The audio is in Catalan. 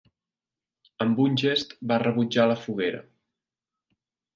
Amb un gest va rebutjar la foguera.